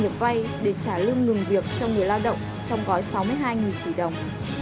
trong cói sáu mươi hai tỷ đồng